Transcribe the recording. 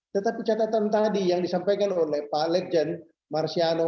tetapi catatan tadi yang disampaikan oleh pak legend marsiano